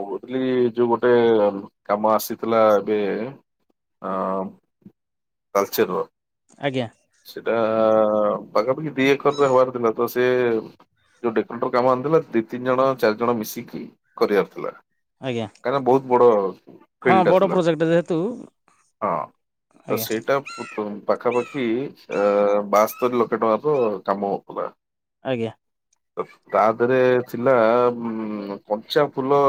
ମୁଁ କହୁଥିଲି କି ଯୋଉ ଗୋଟେ କାମ ଆସିଥିଲା ଏବେ। ଆଉ ତାଳଚେର ଆଜ୍ଞା। ସେଟା ପାଖାପାଖି ଦିଇ ଏକରରେ ହବାର ଥିଲା ତ ସେଏ ଯୋଉ ଡେକୋରଟର କାମ ଆଣିଥିଲା ଦିଇ ତିନି ଜଣ ଚାରି ଜଣ ମିଶିକି କରିବାର ଥିଲା। ଆଜ୍ଞା କାରଣ ବୋହୁତ ବଡ ହଁ ଫିଲ୍ଟ ବଡ଼ ଥିଲା ପ୍ରୋଜେକ୍ଟ ଯେହେତୁ ହଁ। ତ ଆଜ୍ଞା ସେଇଟା ପୁ ତ ପାଖାପାଖି ଏ ବାସ୍ତରୀ ଲକ୍ଷ ଟଙ୍କାର କାମ ହବାର ଆଜ୍ଞା। ଅଫ ତା ଦେହରେ ଥିଲା ଉ କଞ୍ଚା ଫୁଲ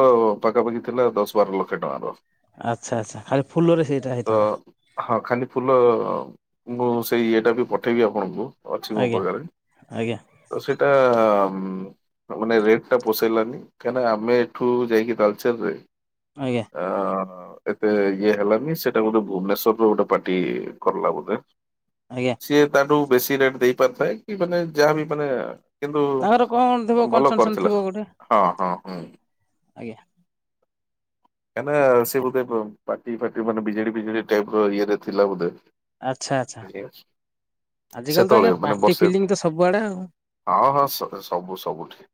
ପାଖାପାଖି ଥିଲା ଦଶ ବାର ଲକ୍ଷ ଟଙ୍କାର। ଆଛା ଆଛା ଖାଲି ଫୁଲରେ ସେଇଟା ତ ହେଇଥାନ୍ତା? ହଁ ଖାଲିି ଫୁଲ ମୁଁ ସେଇ ଇଏଟା ବି ପଠାଇବି ଆପଣଙ୍କୁ। ଅଛି ମୋ ଆଜ୍ଞା ପାଖରେ ଆଜ୍ଞା ତ ସେଇଟା ମୁଁ ମାନେ ରେଟ୍ ଟା ପୋସେଇଲାନି କାହିଁକିନା ଆମେ ଏଠୁ ଯାଇକି ତାାଲଚେର ରେ ଆଜ୍ଞା। ଅ ଏତେ ଇଏ ହେଲାନି ସେଟା ଗୋଟେ ଭୁବନେଶ୍ଵରରୁ ଗୋଟେ ପାର୍ଟି କରଲା ବୋଧେ। ଆଜ୍ଞା। ସିଏ ତାଠୁ ବେଶୀ ରେଟ ଦେଇ ପାରିଥାଏ କି ମାନେ ଯାହାବି ମାନେ କିନ୍ତୁ ତାଙ୍କର କଣ ଥିବ ଭଲ କନସନସନ୍ କରିଥିଲା ଥିବ ଗୋଟେ ହଁ ହଁ ହୁଁ। ଆଜ୍ଞା। କାହିଁନା ସେ ବୋଧେ ପାର୍ଟି ଫାର୍ଟି ମାନେ ବିଜେଡି ବିଜେଡି ଟାଇପ ର ଇଏରେ ଥିଲା ବୋଧେ। ଆଛା ଆଛା। କିଏ ଅଛି। ସେତେବେଳେ ମାନେ ପାର୍ଟି ବର୍ଷେ ଫିଲିଙ୍ଗ ତ ସବୁଆଡ଼େ ଆଉ ହଁ ହଁ ଅ ସ ସବୁ ସବୁଠି।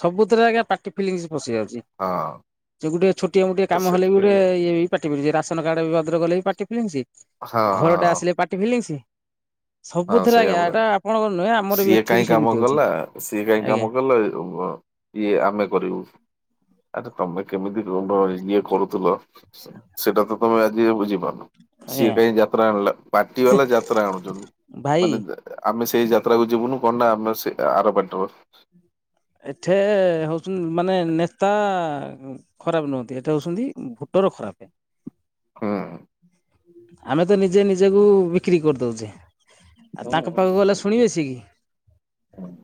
ସବୁଥିରେ ଆଜ୍ଞା ପାଟି ଫିଲିଙ୍ଗସ ପଶି ଯାଉଚି। ହଁ। ଯୋଉ ଗୋଟେ ଛୋଟିଆ ମୋଟିଆ ତ କାମ ହେଲେ ବି ଗୋଟେ ସେଥିପାଇଁ ଏ ବି ପାଟି ଫିଲି ରାସନ କାର୍ଡ ଭଦ୍ରଖଗଲେ ବି ପାଟି ଫିଲିଂସ ହଁ ଘର ଟେ ହଁ ଆସିଲେ ପାଟି ଫିଲିଙ୍ଗ୍ସ। ହଁ ସେଇଆ ପରା ଆପଣଙ୍କର ନୁହେଁ ଆମର ବି ସିଏ ଏଠି ବି କାହିଁ କାମ ସେମିତି ହଉଛି କଲା ସିଏ କାହିଁ ଆଜ୍ଞା କାମ କଲା ଇଏ ଆମେ କରିବୁ ଆରେ ତମେ କେମିତି ରୁମ୍ ଇଏ କରୁଥିଲ। ସେ ସେଇଟା ତ ତମେ ଆଜି ବୁଝିପାରୁନ। ସିଏ ଆଜ୍ଞା କାଇଁ ଯାତ୍ରା ଆଣିଲା ପାଟି ବାଲା ଯାତ୍ରା ଆଣୁଚନ୍ତି ଭାଇ ମାନେ ଅ ଆମେ ସେଇ ଯାତ୍ରା କୁ ଯିବୁନୁ କଣ ନା ଆମେ ସେ ଆର ପାଟିର। ଏଠେ ହୋଉଚନ୍ତି ମାନେ ନେତା ଖରାପ ନୁହନ୍ତି, ଏଇଟା ଉଛନ୍ତି ଭୋଟର ଖରାପ। ଆମେ ତ ନିଜେ ନିଜକୁ ବିକ୍ରି କରିଦେଉଚେ। ହଁ ହଁ ନିଶ୍ଚୟ ହଁ।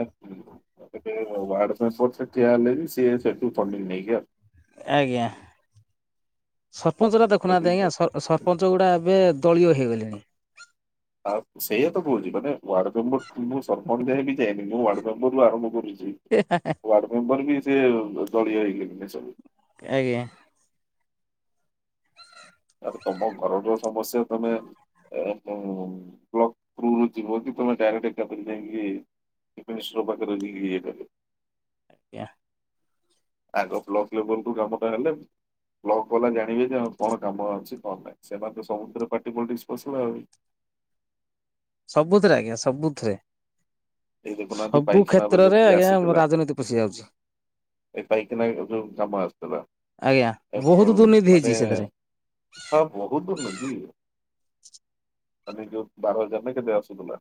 ଆତ୍ ୱାଡ ମେମ୍ୱର ସେଠି ହେଲିବି ସିଏ ସେଠୁ ପାନିରି ନେଇକି ଆସିବ। ଆଜ୍ଞା ସରପଞ୍ଚ ଟା ଦେଖୁନାହାନ୍ତି ଆସୁଛନ୍ତି। ଆଜ୍ଞା ସର୍ ସ ରପଞ୍ଚଗୁଡ଼ା ଏବେ ଦଳୀୟ ହେଇଗଲେଣି। ଆଉ ସେଇୟା ତ କୋହୁଚି ମାନେ ୱାର୍ଡ ମେମ୍ବ ମୁଁ ସରପଞ୍ଚା ଆଡେ ବି ଯାଇନି ମୁଁ ୱାର୍ଡ ସବୁ ମୁଁ ଆରମ୍ଭ କରୁଚି। [unintelligible] ୱାର୍ଡ ମେମ୍ବର ବି ସେ ଦଳୀୟ ହେଇଗଲେନି ସବୁ। ଆଜ୍ଞା। ଆ ତମ ଘରର ସମସ୍ୟା ତମେ ଆ ପ ବ୍ଲକ୍ କୁ ଯିବକି ତମେ ଡାଇରେକ୍ଟ ଏକାଥରେ ଯାଇଁକି କିନ୍ତୁ ମିଶ୍ର ପାଖରେ ବି ଇଏ କଲେ। ଆଜ୍ଞା। ଆଗ ବ୍ଲକ ଲେବଲ କୁ କାମ ଟା ହେଲେ ବ୍ଲକ୍ ବେଲା ଜାଣିବେ ଯେ ହଁ କଣ କାମ ଅଛି କଣ ନାଇଁ। ସେମାନେ ତ ସବୁଥିରେ ପାର୍ଟି ପଲିଟିକ୍ସ ପସିଲା ଆଉ। ସବୁଥେରେ ଆଜ୍ଞା, ସବୁଥେରେ। ଏଇ ଦେଖୁନାହାନ୍ତି ସବୁ ପାଇଖାନାର କ୍ଷେତ୍ରରେ ଯେତିକି ଆଜ୍ଞା ଆସିଥିଲା ରାଜନୀତି ପଷି ଯାଉଛି। ଏ ପାଇକିନା ଏ ଯୋଉ କାମ ଆସିଥିଲା ଆଜ୍ଞା ଏ ବହୁତ ବ ଦୁର୍ନୀତି ହେଇଛି ମାନେ ସେଥିରେ ହଁ ବହୁ ଦୁର୍ନୀତି ମାନେ ଯଉ ବାର ହଜାର ନାଁ କେତେ ଆସୁଥିଲା?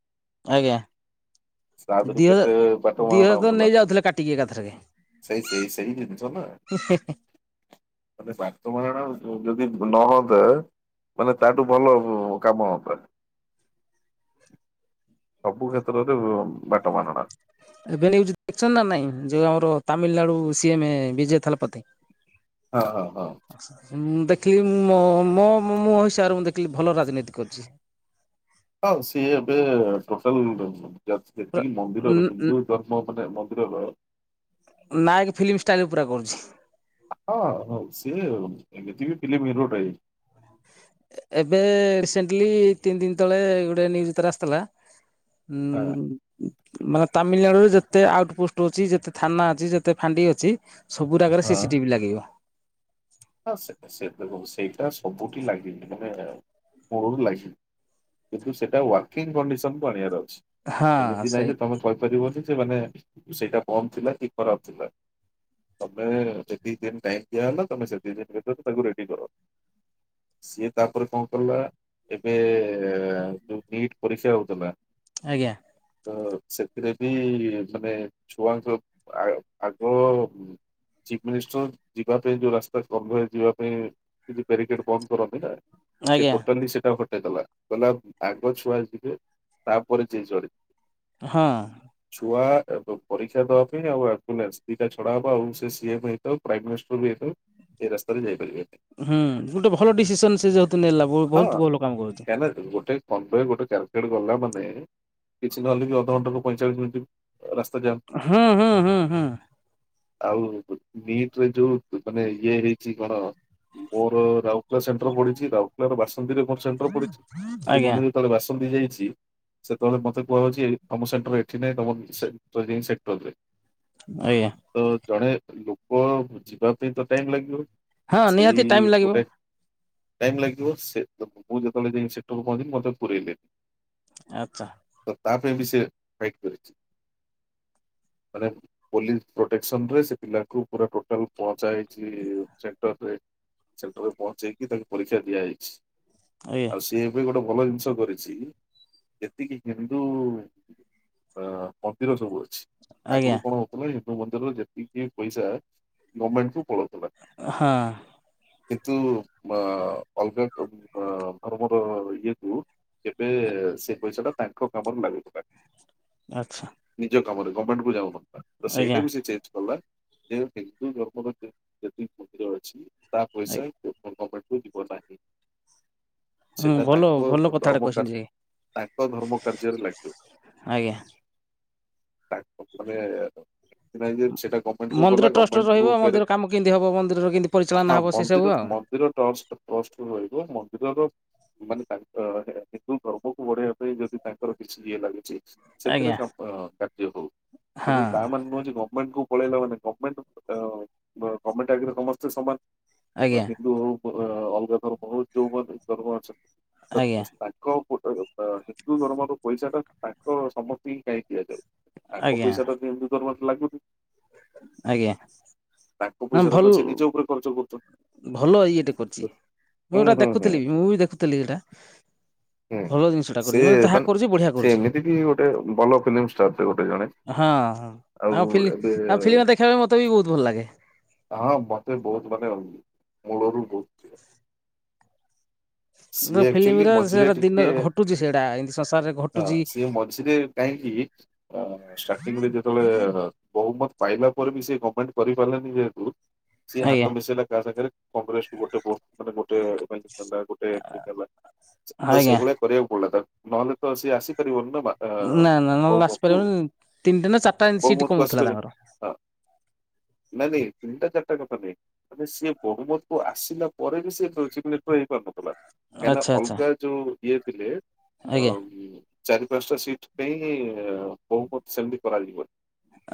ଆଜ୍ଞା ତା ଦେହରୁ ଦି ହଜା କେତେ ବାଟ ଦି ମାରଣା ହଜାର ତ ହଉଥିଲା। ନେଇଯାଉଥିଲେ କାଟିକି ଏକାଥରେକ। ସେଇ ସେଇ ସେଇ ଜିନିଷ ନାଁ। ମାନେ ବାଟ ବରଣା ଯଦି ନ ହବେ ମାନେ ତାଠୁ ଭଲ ଉ କାମ ହନ୍ତା। ସବୁ କ୍ଷେତ୍ରରେ ବ ବାଟ ମାରଣା। ଏବେ ନ୍ୟୁଜ୍ ଦେଖିଛନ୍ତି ନା ନାଇଁ ଯୋଉ ଆମର ତାମିଲନାଡୁ ସିଏମ ବିଜେ ଥାଲପତି। ଅ ହ ହ। ମୁଁ ଦେଖିଲି ମୋ ମୋ ମୋ ହିସାବରେ ମୁଁ ଦେଖିଲି ଭଲ ରାଜନୀତି କରିଛି। ହଁ, ସିଏ ଏବେ ଟୋଟାଲ ସେତିକି ମନ୍ଦିରର ହିନ୍ଦୁ ଧର୍ମ ମାନେ ମନ୍ଦିରର ନାୟକ ଫିଲ୍ମ ଷ୍ଟାଇଲ୍ ପୁରା କରୁଛି। ହଁ ହଉ ସିଏ ଏମତିବି ଫିଲିମ ହିରୋ ଟାଇ। ଏବେ ରିସେଣ୍ଟଲି ତିନି ଦିନ ତଳେ ଗୋଟେ ନ୍ୟୁଜ୍ ଥରେ ଆସିଥିଲା। ହୁ ହଁ। ଉଁ। ମାନେ ତାମିଲନାଡୁ ରେ ଯେତେ ଆଉଟ ପୋଷ୍ଟ ଅଛି, ଯେତେ ଥାନା ଅଛି, ଯେତେ ଫାଣ୍ଡି ଅଛି ସବୁୁ ରାକରେ ସିସି ଟିଭି ଲାଗିବ। ହଁ ସେ ସେ ସେଇଟା ସବୁଠି ଲାଗିନି ମାନେ [unintelligible] କିନ୍ତୁ ସେଟା ୱାକିଂ କଣ୍ଡିସନକୁ ଆଣିବାର ଅଛି। ହଁ ଏମିତି ନାହିଁ ସେଇ ଯେ ତମେ କହିପାରିବନି ଯେ, ମାନେ ସେଇଟା କମ୍ ଥିଲା କି ଖରାପ ଥିଲା। ତମେ ଯେତିକି ଦିନ ଟାଇମ ଦିଆହଲା ତମେ ସେତିକି ଦିନ ଭିତରେ ତାକୁ ରେଡି କର। ସିଏ ତାପରେ କଣ କଲା ଏବେ ଏ ଯୋଉ ନିଟ୍ ପରିକ୍ଷା ହଉଥିଲା ଆଜ୍ଞା। ତ ସେଥିରେ ବି ମାନେ ଛୁଆଙ୍କ ଆ ଆଗ ଚିଫ୍ ମିନିଷ୍ଟର ଯିବା ପାଇଁ ଯୋଉ ରାସ ତ [unintelligible] ଯିବା ପାଇଁ କିଛି ବ୍ୟାରିକେଟ ବନ୍ଦ କରନ୍ତି ନା, ସେ ଆଜ୍ଞା ଟୋଟାଲି ସେଟା ହଟ ସେ ଗଲା। କହିଲା, ଆଗ ଛୁଆ ଯିବେ ତାପରେ ଜିଏ ଯୁଆଡେ ହଁ। ଛୁଆ ପରୀକ୍ଷା ଦବା ପାଇଁ। ଆଉ ଅକୁନେସ୍ ଦିଟା ଛଡା ହବ ଆଉ ସେ ସିଏମ୍ ହେଇଥାଉ ପ୍ରାଇମ ମିନିଷ୍ଟର ବି ହେଇଥାଉ ଏ ରାସ୍ତାରେ ଯାଇପାରିବେନି। ହୁଁ ଗୁଟେ ଭଲ ଡିସିସନ ସେ ଯେହେତୁ ନେଲା ହଁ ବହୁତ ଭଲ କାମ କରୁଚୂନ୍ତି। କାହିଁକିନା ଗୋଟେ [unintelligible] ଗୋଟେ [unintelligible] ଗଲା ମାନେ କିଛି ନହଲେ କି ଅଧଘଣ୍ଟାୁ ପଇଁଚାଳିଶ ମିନିଟ୍ ରାସ୍ତା ଯାମ। ହଁ, ହଁ, ହଁ, ହଁ। ଆଉ ନିଟରେ ଯୋଉ ମାନେ ଇଏ ହେଇଛି କଣ, ମୋର ରାଉରକେଲା ସେଣ୍ଟର ପଡିଚି ତ। ଇଆଡ଼େ ବାସନ୍ତି ରେ କଣ ସେଣ୍ଟର ପଡିଛି? କିନ୍ତୁ ଆଜ୍ଞା ମୁଁ ଯେତେବେଳେ ବାସନ୍ତି ଯାଇଛି ସେତବେଳେ ମତେ କୁହାଯାଉଚି, ତମ ସେଣ୍ଟର ଏଠି ନାହିଁ। ତମ ସେ ଯାଇ ସେଟରରେ ଆଜ୍ଞା। ତ ଜଣେ ଲୋକ ବୁଝିବା ପାଇଁ ତ ଟାଇମ ଲାଗିବ। ହଁ, ନିହାତି ଟାଇମ ଲାଗିବ। ଟାଇମ୍ ଲାଗିବ, ସେ, ମୁଁ ଯେତେବେଳେ ଯାଇକି ସେଟରରୁ ପହଞ୍ଚିଲି, ମୋତେ ପୁରଇଲେନି। ଆଛା। ତ ତା ପାଇଁ ବି ସେ ଫାଇଟ୍ କରିଚି। ମାନେ ପୋଲିସ ପ୍ରୋଟେକ୍ସନ ରେ ସେ ପିଲାକୁ ପୁରା ଟୋଟାଲ ପହଞ୍ଚା ଚି, ଚେଟରରେ, ସେଣ୍ଟରରେ ପହଞ୍ଚେଇକି ତାଙ୍କୁ ପରୀକ୍ଷା ଦିଆହେଇଚି। ଆଜ୍ଞା। ଆଉ ସିଏ ଏବେ ଗୋଟେ ଭଲ ଜିନିଷ କରିଚି, ଯେତିକି ହିନ୍ଦୁ ଅ ମନ୍ଦିର ସବୁ ଅଛି। ଆଜ୍ଞା। ଆଗରୁ କଣ ହଉଥିଲା, ହିନ୍ଦୁ ମନ୍ଦିରରେ ଯେତିକି ପଇସା ଗଭର୍ଣ୍ଣମେଣ୍ଟ କୁ ପଳଉଥିଲା। ହଁ। କିନ୍ତୁ ଅ ଅଲଗା ଧର୍ମର ଇଏକୁ ଏବେ ସେ ପଇସାଟା, ତାଙ୍କ କାମରେ ଲାଗିଥିଲା। ଆଛା। ନିଜ କାମରେ ଗଭର୍ଣମେଣ୍ଟକୁ ଯାଉନଥିଲା, ତ ଆଜ୍ଞା ସେଇଟାକୁ ସେ ଚେଞ୍ଜ କଲା, ଯେ ହିନ୍ଦୁ ଧର୍ମର ଯେ- ଯେତିକି ମନ୍ଦିର ତା ପଇସା ଆଜ୍ଞା ଗଭର୍ଣମେଣ୍ଟକୁ ଯିବ ନାହିଁ। ହୁଁ ସେଟା ଭଲ ତାଙ୍କ ଭଲ କଥାଟା ଧର୍ମକାର କହିଛନ୍ତି ଯେ ତାଙ୍କ ଧର୍ମ କାର୍ଯ୍ୟରେ ଲାଗିବ, ଆଜ୍ଞା ତାଙ୍କ ମାନେ ସେଟା ହେଇକି ଗଭର୍ଣମେଣ୍ଟକୁ ଗଲା, ଗଭର୍ଣମେଣ୍ଟରୁ ଫେର୍ କିନ୍ଦ୍ ହବ? ମନ୍ଦିରର କେମତି ପରିଚାଳନା ହବ, ସେ ସବୁ ଆଉ। ମନ୍ଦିରର ଟ୍ରଷ୍ଟ, ଟ୍ରଷ୍ଟ ରହିବ, ମନ୍ଦିରର ମାନେ, ତାଙ୍କ ହିନ୍ଦୁ ଧର୍ମକୁ ବଢେଇବା ପାଇଁ ଯଦି ତାଙ୍କର କିଛି ଇଏ ଲାଗୁଚି, ସେଥିରେ ଆଜ୍ଞା କାମ ଆଁ କାର୍ଯ୍ୟ ହଉ ହଁ କିନ୍ତୁ ତା ମାନେ ନୁହେଁ ଯେ, ଗ ଗମେଣ୍ଟକୁ ପଳେଇଲା ମାନେ, ଗମେଣ୍ଟ, ଆଁ ଗମେଣ୍ଟ ଆଗରେ ସମସ୍ତେ ସମାନ। ମ ଆଜ୍ଞା ହିନ୍ଦୁ ହଉ, ଅଲଗା ଧର୍ମ ହଉ, ଯୋଉମାନେ ଧର୍ମ ଅ ଆଜ୍ଞା ତାଙ୍କ ପଟ, ହିନ୍ଦୁଧର୍ମର ପଇସାଟା ତାଙ୍କ ସମସ୍ତେ ହିଁ କାଇ ଦିଆଯାଉ? ତାଙ୍କ ଆଜ୍ଞା ପଇସାଟାତ ହିନ୍ଦୁ ଧର୍ମରେ ଲାଗୁନି। ଆଜ୍ଞା। ତାଙ୍କ ହଁ ପଇସା ଟା ତ ଭଲ, ସେ ନିଜ ଉପରେ ଖର୍ଚ୍ଚ କରୁଛନ୍ତି। ଭଲ ଇଏଟେ କରିଚି। ମୁଁ ହୁଁ ଏଟା ହୁଁ ହୁଁ ଦେଖୁଥିଲି, ମୁଁ ବି ଦେଖୁଥିଲି ଏଇଟା। ହୁଁ, ଭଲ ଜିନିଷଟା କରୁଛି ସେ ଯାହା ମାନେ କରୁଛି ବଢ଼ିଆ ସେ କରୁଛି ଏମିତି କି ଗୋଟେ ଭଲ ଫିଲ୍ମଷ୍ଟାର ଟେ ଗୋଟେ ଜଣେ ହଁ, ହଁ ଆଉ ଫିଲ୍, ଆଉ ଫିଲ୍ମ ଦେଖିବା ପାଇଁ ମତେ ବି ବହୁତ ଭଲ ଲାଗେ। ହଁ ମତେ ବହୁତ ମାନେ, ଅ ମୂଳରୁ ବହୁତ ସିଏ ଆକ୍ଚୁଆଲି ଫିଲ୍ମରେ ମଝିରେ ସେଟା ଦିନ ଟିକେ ଘଟୁଚି ସେଇଟା, ଏମତି ସଂସାରରେ ଘ ହଁ, ସିଏ ମଝିରେ କାହିଁକି? ଷ୍ଟାର୍ଟିଂ ରେ ଯେତେବେଳେ ବହୁମତ ପାଇଲା ପରେ ବି ସେ ଗଭର୍ଣମେଣ୍ଟ କରିପାରିଲାନି ଯେହେତୁ, ସିଏ ହାତ ଆଜ୍ଞା ମିଶେଇଲା କାହା ସାଙ୍ଗରେ କଂଗ୍ରେସକୁ ଗୋଟେ ଭୋଟ, ମାନେ ଗୋଟେ ପାଇଁ ଦେଲା, ଗୋଟେ ଏମିତି ଦେଲା, ତ ଆଜ୍ଞା ସେଇଭଳିଆ କରିବାକୁ ପଡିଲା ତାକୁ, ନହେଲେ ତ ସେ ଆସିପାରିବନି ନା ମା। ନା, ନା, ନହେଲେ ଆସି ପାରିବନି, ତିନିଟା ନା ଚାରିଟା ସିଟ୍ କଣ ହଉଥିଲା ତାଙ୍କର? ନାଇ ନାଇଁ, ତିନଟା ଚାରିଟା କଥା ନାଇଁ ମାନେ ସିଏ ବହୁମତକୁ ଆସିଲା ପରେ ବି ସେ [unintelligible] ହେଇପାରୁନଥିଲା। କାହିଁକିନା ଆଚ୍ଛା ଆଚ୍ଛା ଅଲଗା ଯୋଉ ଇଏ ଥିଲେ ଅ ଆଜ୍ଞା ଉଁ ଚାରି ପାଞ୍ଚଟା ସିଟ ପାଇଁ ବହୁମତ ସେମିତି କରାଯିବ।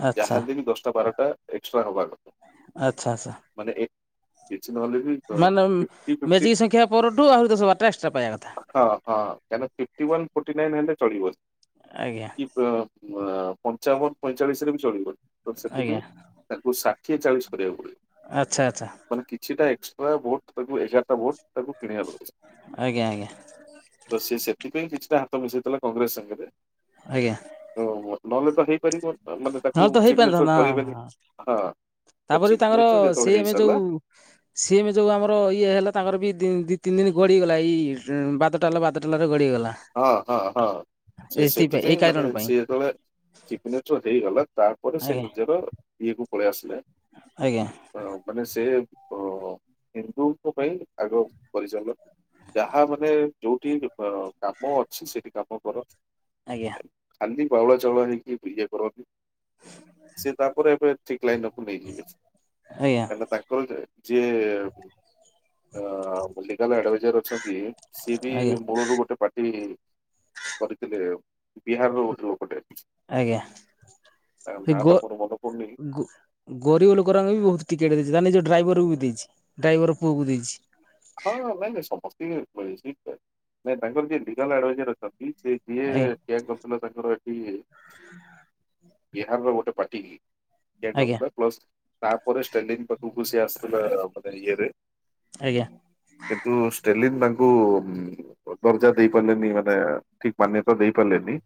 ଆଚ୍ଛା ଯାହାବି ହେଲେ ଦଶଟା ବାରଟା ଏକ୍ସଟ୍ରା ହବା କଥା। ଆଚ୍ଛା ଆଚ୍ଛା। ମାନେ ଏ କିଛି ନହେଲେ ବି ମାନେ ଫିଫ୍ଟି ଫିଫ୍ଟି ମେଜିକ ସଂଖ୍ୟା ପରଠୁ ଆହୁରି ଦଶ ବାରଟା ଏକ୍ସଟ୍ରା ପାଇବା କଥା। ହଁ ହଁ କାହିକିନା ଫିପ୍ଟିୱାନ ଫୋଟିନାଇନ ହେଲେ ଚଳିବ। ଆଜ୍ଞା। ଅ ଅ ପଞ୍ଚାବନ ପଇଁଚାଳିଶରେ ବି ଚଳିବ ବଟ ସେତିକି ଆଜ୍ଞା ରେ ତାକୁ ସା ସିଏ ଚାଳିଶ କରିବାକୁ ପଡ଼ିବ। ଆଚ୍ଛା ଆଚ୍ଛା। ମାନେ କିଛିଟା ଏକ୍ସଟ୍ରା ଭୋଟ ତାକୁ ଏଗାରଟା ଭୋଟ ତାକୁ କିଣିବାକୁ ହବ। ଆଜ୍ଞା ଆଜ୍ଞା। ତ ସେ ସେଥିପାଇଁ କିଛିଟା ହାତ ମିଶେଇଥିଲା କଂଗ୍ରେସ ସାଙ୍ଗରେ ଆଜ୍ଞା। ଓ ନହେଲେ ତ ହେଇପାରିବନି। ମାନେ ତାକୁ ନହେଲେ ତ ଚିଫ ମିନିଷ୍ଟର ହେଇପାରିଥାନ୍ତା ହଁ କରିବେନି। ହଁ ହଁ ଚିଫ ମିନିଷ୍ଟର ଯେତେବେଳେ ହେଇସାରିଲ ଉ ସିଏମେ ଯୋଉ ଆମର ଇଏ ହେଲା ତାଙ୍କର ବି ଦି ତିନି ଦିନ ଗଡିଗଲା ଇ ବାଦଲ ଟାଲ ବାଦଟାଲରେ ଗଡିଗଲା। ହଁ ହଁ ହଁ ସେ ଏଇଥିପାଇଁ ଏଇ ସେଥିପାଇଁ କାରଣ ମାନେ ପାଇଁ ସି ଯେତେବେଳେ ଚିଫ ମିନିଷ୍ଟର ହେଇଗଲା ତା ପରେ ସେ ଆଜ୍ଞା ନିଜର ଇଏ କୁ ପଳେଇ ଆସିଲେ। ଆଜ୍ଞା। ଅ ମାନେ ସେ ଅ ହିନ୍ଦୁଙ୍କ ପାଇଁ ଆଗ ପରିଚାଲ ଯାହା ମାନେ ଯୋଉଠି ବି କା ମୁଁ ଅଛି ସେଇଠି କାମ କର। ଆଜ୍ଞା। ଖାଲି ବାଉଳ ଚାଉଳ ହେଇକି ବି ଇଏ କରନ୍ତି। ସିଏ ତାପରେ ଏବେ ଠିକ୍ ଲାଇ ନ ନେଇ ଯିବେ। ଆଜ୍ଞା ଆଜ୍ଞା କାରଣ ତାଙ୍କର ଯା ଯିଏ ଆଁ ମଲିକାଲ ଆଡଭାଇଜର ଅଛନ୍ତି ସିଏ ବି ମୂଳରୁ ଗୋଟେ ପାର୍ଟି କରିଥିଲେ, ବିହାରର ଗୋଟେ ଲୋକଟେ। ଆଜ୍ଞା ତା ସେ ନାଁ ଟା ଗ ମୋର ମନେ ପଡୁନି ଗୋ ଗରିବ ଲୋକରାଙ୍କ ବି ବହୁତ ଟିକେଟ ଦେଇଚି ମାନେ ଯଉ ଡ୍ରାଇଭରକୁ ବି ଦେଇଚି ଡ୍ରାଇଭରର ପୁଅକୁ ଦେଇଚି। ହଁ ନାଇଁ ନାଇଁ ସମସ୍ତେ [inaudible] ନାଇଁ ତାଙ୍କର ଯିଏ ଲିଗାଲ ଆଡଭାଇଜର ଅଛନ୍ତି ସେ ସିଏ ଚେକ୍ କରୁଥିଲା ତାଙ୍କର ଏଠି ହ [unintelligible] ବିହାରର ଗୋଟେ ପାଟିି କି କିଏ ଆଜ୍ଞା କରୁଥିଲ। ପ୍ଲସ୍ ତାପରେ ଷ୍ଟେଣ୍ଡିଙ୍ଗ ପାଖକୁ ସେ ଆସୂଥିଲା ମାନେ ଇଏରେ ଆଜ୍ଞା। କିନ୍ତୁ ଷ୍ଟେରଲିନ ତାଙ୍କୁ ଦର୍ଜା ଦେଇ ପାରିଲେନି ମାନେ ଠିକ ମାନ୍ୟତା ଦେଇ ପାରିଲିନି।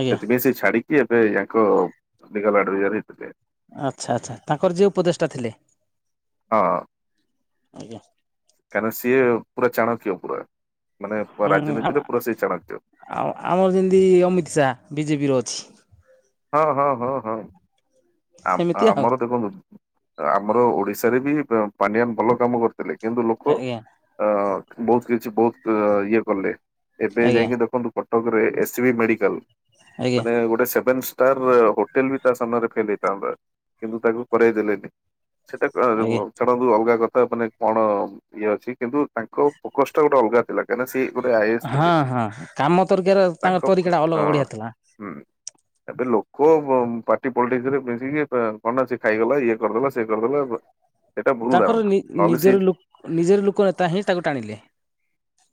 ଆଜ୍ଞା ସେଥିପାଇଁ ସେ ଛାଡିକି ଏବେ ୟାଙ୍କ ଲିଗାଲ୍ ଆଡଭାଇଜର ହେଇଥିଲେ। ଆଚ୍ଛା ଆଚଛା ତାଙ୍କର ଯେଉଁ ଉପଦେଷ୍ଟା ଥିଲେ। ହଁ। ଆଜ୍ଞା। କାରଣ ସିଏ ପୁରା ଚାଣକ୍ୟ ପୁରା ମାନେ ହୁଁ ରାଜନୀତିରେ ପୁରା ସେ ଚାଣକ୍ୟ। ଆଉ ଆମର ଯେମିତି ଅମିତ ଶାହା ବିଜେପିର ଅଛି। ହଁ ହଁ ହଁ ହଁ। ଆ ସେମିତି ଆଉ ଆମର ଦେଖନ୍ତୁ ଆମର ଓଡିଶାରେ ବି ପାଣ୍ଡିଆନ୍ ଭଲ କାମ କରୁ ଥିଲେ କିନ୍ତୁ ଲୋକ। ଆଜ୍ଞା ଅ ବହୁତ କିଛି ବହୁତ ଇଏ କଲେ ଏବେ ଆଜ୍ଞା ଯାଇକି ଦେଖନ୍ତୁ। କଟକରେ ଏ ସି ବି ମେଡିକାଲ ଆଜ୍ଞା ମାନେ ଗୋଟେ ସେଭନ୍ସ ତାର ହୋଟେଲ ବି ତା ସାମ୍ନାରେ ଫେଲ ହେଇଥାନ୍ତା କିନ୍ତୁ ତାକୁ କରେଇ ଦେଲେନି। ସେଟା ଆଜ୍ଞା ଛାଡନ୍ତୁ ଅଲଗା କଥା ମାନେ କଣ ଇଏ ଅଛି କିନ୍ତୁ ତାଙ୍କ ଫୋକସ ଟା ଗୋଟେ ଅଲଗା ଥିଲା। କାହିଁକିନା ସି ଗୋଟେ ଆଇ ହଁ ଆସିଥିଲେ ହଁ କାମ ତରିକାର ତାଙ୍କ ତରିକା ହଁ। ଟା ଅଲଗା ବଢିଆ ଥିଲା ହୁଁ ଏବେ ଲୋକ ପାର୍ଟି ପଲିଟିସ୍‌ରେ। ମିିକି ଖଣ୍ଡ ସେ ଖାଇଗଲା ଇଏ କରିଦେଲା ସେ କରିଦେଲା। ସେଇଟା ଭୁଲ ତାଙ୍କର ଧାରଣା ନହେଲେ ସେ ନିଜର ଲ ନିଜର ଲୋକ ନେତା ହିଁ ତାକୁ ଟାଣିଲେ।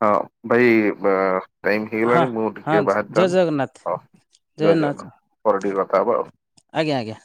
ହଁ ଭାଇ ଟାଇମ୍ ହଁ ହେଇଗଲାଣି ମୁଁ ହଁ ଟିକେ ଜୟ ଜଗନ୍ନାଥ ବାହାରିଥାନ୍ତି ହଉ ଜୟ ଜଗନ୍ନାଥ ପରେ ଟିକେ କଥା ହବା ଆଉ। ଆଜ୍ଞା ଆଜ୍ଞା।